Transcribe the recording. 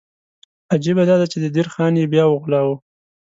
عجیبه دا ده چې د دیر خان یې بیا وغولاوه.